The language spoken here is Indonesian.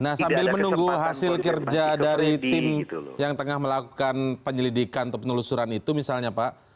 nah sambil menunggu hasil kerja dari tim yang tengah melakukan penyelidikan atau penelusuran itu misalnya pak